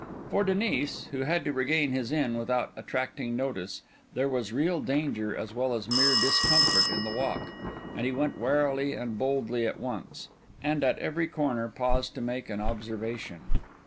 For Denis, who had to regain his inn without attracting notice, there was real danger as well as mere discomfort in the walk; and he went warily and boldly at once, and at every corner paused to make an observation.